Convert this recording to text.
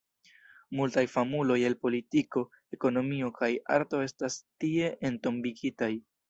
Multaj famuloj el politiko, ekonomio kaj arto estas tie entombigitaj.